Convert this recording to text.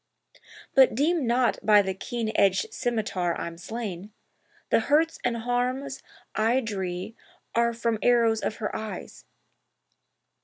But deem not by the keen edged scymitar I'm slain— The hurts and harms I dree are from arrows of her eyes.